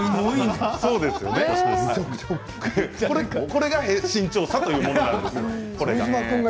これが身長差というものなんです。